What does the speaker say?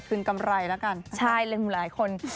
คืนกำไรละกัน